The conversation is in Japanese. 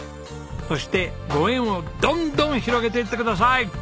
そしてご縁をどんどん広げていってください！